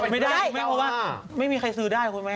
ไม่ได้ไม่มีใครซื้อได้คุณแม่